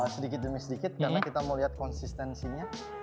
sedikit demi sedikit karena kita mau lihat konsistensinya